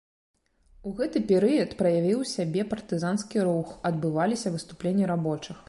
У гэты перыяд праявіў сябе партызанскі рух, адбываліся выступленні рабочых.